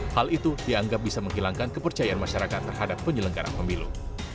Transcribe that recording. hal itu dianggap bisa menghilangkan kepercayaan masyarakat terhadap penyelenggara pemilu